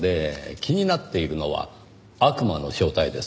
気になっているのは「悪魔」の正体です。